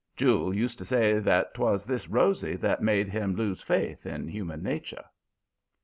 Jule used to say that 'twas this Rosy that made him lose faith in human nature.